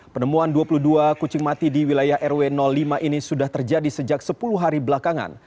penemuan dua puluh dua kucing mati di wilayah rw lima ini sudah terjadi sejak sepuluh hari belakangan